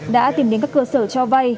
đã tìm đến các cơ sở cho vay